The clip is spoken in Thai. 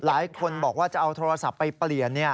หลายคนบอกว่าจะเอาโทรศัพท์ไปเปลี่ยน